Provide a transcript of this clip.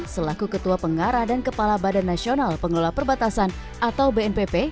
selaku ketua pengarah dan kepala badan nasional pengelola perbatasan atau bnpp